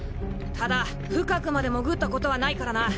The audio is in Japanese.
ただ深くまで潜ったことはないからな。